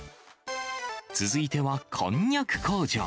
続いてはこんにゃく工場。